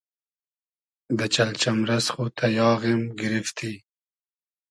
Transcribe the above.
دۂ چئلجئمرئس خو تئیاغیم گیریفتی